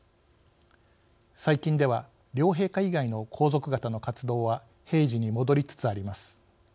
最近では両陛下以外の皇族方の活動は平時に戻りつつあります。